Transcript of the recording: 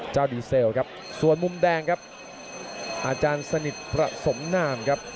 ดีเซลครับส่วนมุมแดงครับอาจารย์สนิทประสมนามครับ